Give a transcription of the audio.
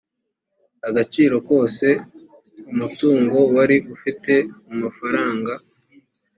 agaciro kose umutungo wari ufite mu mafaranga